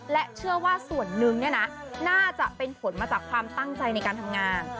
และเชื่อว่าส่วนหนึ่งน่าจะเป็นผลมาจากความตั้งใจในการทำงาน